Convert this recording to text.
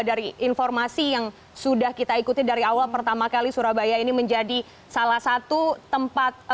dari informasi yang sudah kita ikuti dari awal pertama kali surabaya ini menjadi salah satu tempat